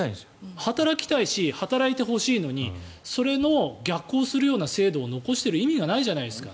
働きたいし働いてほしいんですけどそれの逆行するような制度を残してる意味がないじゃないですか。